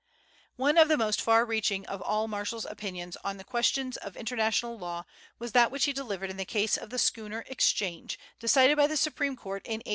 One of the most far reaching of all Marshall's opinions on questions of international law was that which he delivered in the case of the schooner "Exchange," decided by the Supreme Court in 1812.